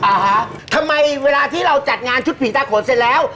ทำไมเวลาที่เราจัดงานชุดผีตาโขนเสร็จแล้ว